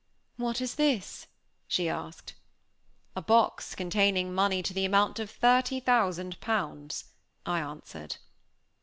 "What is this?" she asked. "A box containing money to the amount of thirty thousand pounds," I answered.